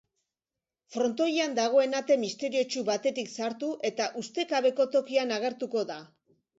Frontoian dagoen ate misteriotsu batetik sartu eta ustekabeko tokian agertuko da.